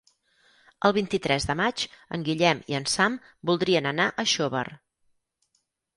El vint-i-tres de maig en Guillem i en Sam voldrien anar a Xóvar.